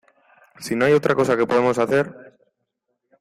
si no hay otra cosa que podamos hacer...